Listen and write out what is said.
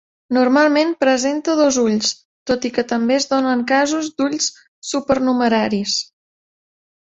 Normalment presenta dos ulls, tot i que també es donen casos d'ulls supernumeraris.